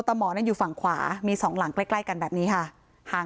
หมอนั่นอยู่ฝั่งขวามีสองหลังใกล้ใกล้กันแบบนี้ค่ะห่าง